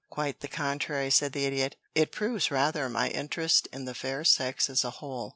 "Quite the contrary," said the Idiot. "It proves rather my interest in the fair sex as a whole.